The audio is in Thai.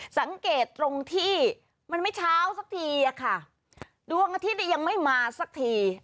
สังเกตตรงที่มันไม่เช้าสักทีอะค่ะดวงอาทิตย์ยังไม่มาสักที